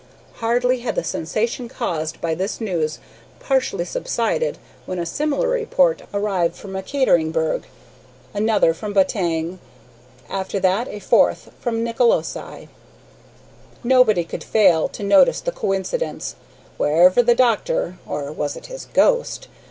Hardly had the sensation caused by this news partially subsided when a similar report arrived from Ekaterinburg; then another from Batang; after that a fourth from Nicolosi! Nobody could fail to notice the coincidence; wherever the doctor or was it his ghost?